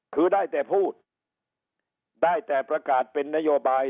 คือได้แต่พูดได้แต่ประกาศเป็นนโยบาย